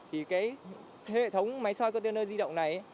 hệ thống máy soi container di động này